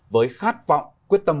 với khát vọng quyết tâm